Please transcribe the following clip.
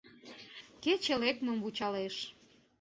Кече лекмым вучалеш.